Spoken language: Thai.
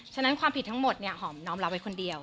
ฉะนั้นความผิดทั้งหมดหอมน้องเราไว้คนเดียว